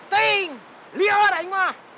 ting lihara emah